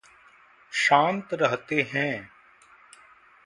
शांत रहते हैं।